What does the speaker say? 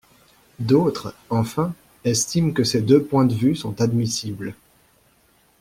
D’autres, enfin, estiment que ces deux points de vue sont admissibles.